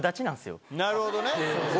なるほどね！